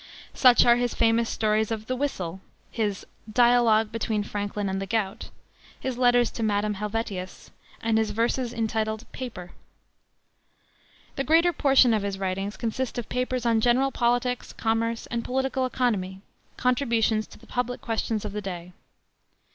Such are his famous story of the Whistle, his Dialogue between Franklin and the Gout, his letters to Madame Helvetius, and his verses entitled Paper. The greater portion of his writings consists of papers on general politics, commerce, and political economy, contributions to the public questions of his day.